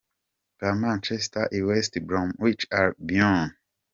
ba Manchester i West Bromich Albion.